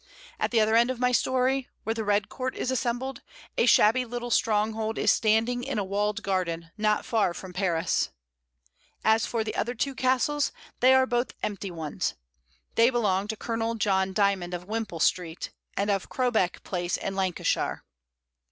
At the other end of my story, where the red court is assembled, a shabby little stronghold is standing in a walled garden, not far from Paris. As for the other two castles, they are both empty ones. They belong to Colonel John Dy mond of Wimpole Street, and of Crowbeck Place in Lancashire.